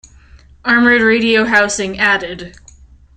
Armoured radio housing added.